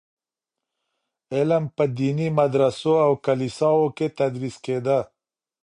علم په ديني مدرسو او کليساوو کي تدريس کيده.